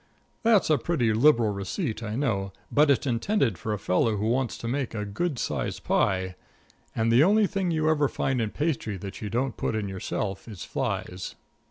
That's a pretty liberal receipt, I know, but it's intended for a fellow who wants to make a good sized pie. And the only thing you ever find in pastry that you don't put in yourself is flies.